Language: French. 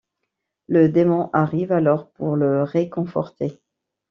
Le démon arrive alors pour le réconforter.